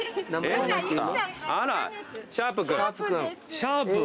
シャープ君。